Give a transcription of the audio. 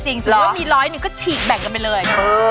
หรือว่ามีร้อยหนึ่งก็ฉีกแบ่งกันไปเลย